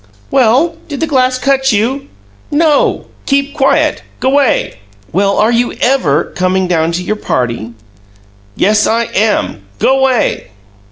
"Well, did the glass cut you?" "No! Keep quiet! G'way!" "Well, are you EVER comin' down to your party?" "Yes, I am! G'way!"